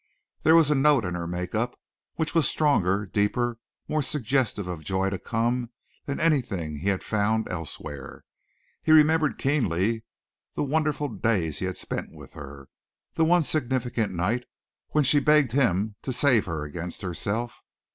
There was a note in her make up which was stronger, deeper, more suggestive of joy to come than anything he had found elsewhere. He remembered keenly the wonderful days he had spent with her the one significant night when she begged him to save her against herself.